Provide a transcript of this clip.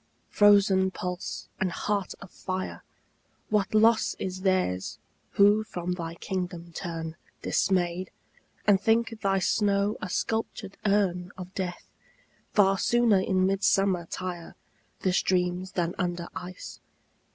frozen pulse and heart of fire, What loss is theirs who from thy kingdom turn Dismayed, and think thy snow a sculptured urn Of death! Far sooner in midsummer tire The streams than under ice.